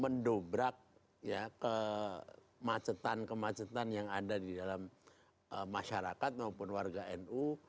mendobrak kemacetan kemacetan yang ada di dalam masyarakat maupun warga nu